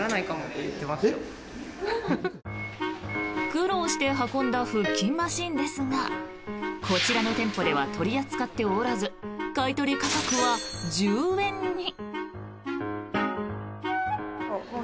苦労して運んだ腹筋マシンですがこちらの店舗では取り扱っておらず買い取り価格は１０円に。